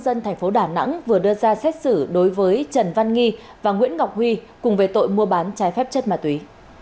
dân thành phố đà nẵng vừa đưa ra xét xử đối với trần văn nghi và nguyễn ngọc huy cùng về tội mua bán trái phép chất ma túy